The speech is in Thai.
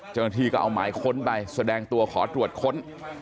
เจ้าหน้าที่ก็เอาหมายค้นไปแสดงตัวขอตรวจค้น